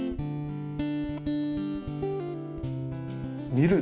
「見る」。